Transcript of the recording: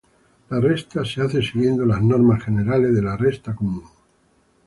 La resta se hace siguiendo las normas generales de la resta común.